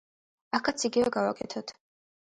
აქაც იგივე გავაკეთოთ.